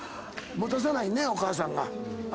持たさないねお母さんが。